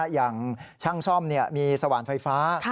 อย่างช่างซ่อมมีสว่านไฟฟ้า